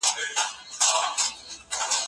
د بریا ویاړ یوازي لایقو کسانو ته نه سي ورکول کېدلای.